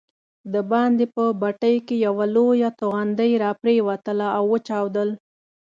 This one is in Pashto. دباندې په بټۍ کې یوه لویه توغندۍ راپرېوتله او وچاودل.